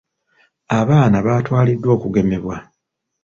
Abaana baatwaliddwa okugemebwa.